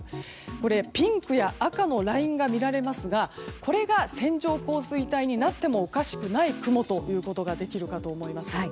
これ、ピンクや赤のラインが見られますがこれが線状降水帯になってもおかしくない雲ということがいえるかと思います。